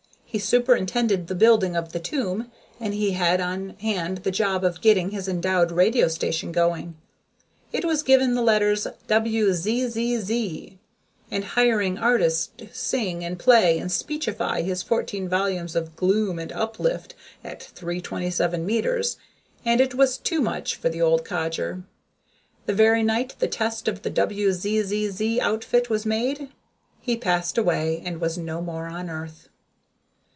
He superintended the building of the tomb and he had on hand the job of getting his endowed radio station going it was given the letters WZZZ and hiring artists to sing and play and speechify his fourteen volumes of gloom and uplift at 327 meters, and it was too much for the old codger. The very night the test of the WZZZ outfit was made he passed away and was no more on earth.